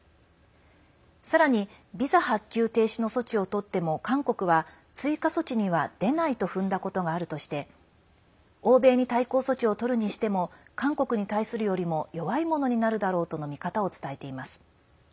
さらにビザ発給停止の措置をとっても韓国は追加措置には出ないと踏んだことがあるとして欧米に対抗措置をとるにしても韓国に対するよりも弱いものになるだろうとの見方を伝えています。